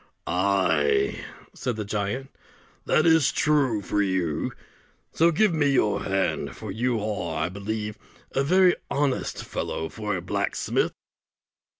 "Ay," said the giant, "that is true for you; so give me your hand; for you are, I believe, a very honest fellow for a blacksmith."